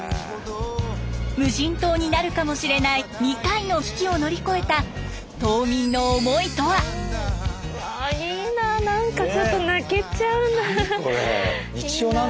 無人島になるかもしれない２回の危機を乗り越えたいいな何かちょっと泣けちゃうな。